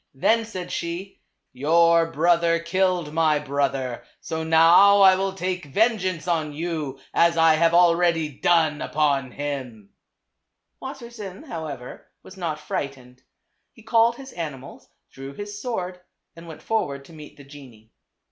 Then said she "Your brother killed my brother, so now I will take vengeance on you, as I have already done upon him." Wassersein, however, was not frightened. He called his animals, drew his sword and went for ward to meet the genie.